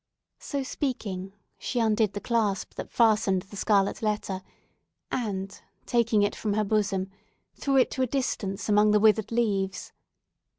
So speaking, she undid the clasp that fastened the scarlet letter, and, taking it from her bosom, threw it to a distance among the withered leaves.